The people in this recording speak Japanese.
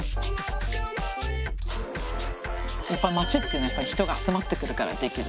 やっぱり街っていうのは人が集まってくるからできる。